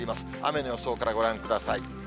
雨の予想からご覧ください。